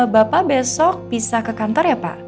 bapak besok bisa ke kantor ya pak